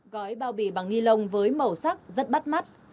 gói bao bì bằng ni lông với màu sắc rất bắt mắt